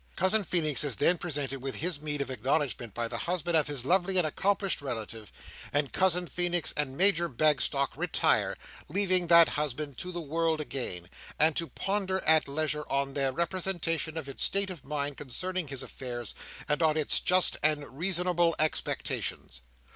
Cousin Feenix is then presented with his meed of acknowledgment by the husband of his lovely and accomplished relative, and Cousin Feenix and Major Bagstock retire, leaving that husband to the world again, and to ponder at leisure on their representation of its state of mind concerning his affairs, and on its just and reasonable expectations.